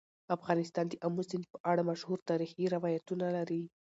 افغانستان د آمو سیند په اړه مشهور تاریخي روایتونه لري.